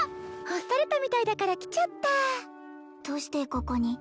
欲されたみたいだから来ちゃったどうしてここに？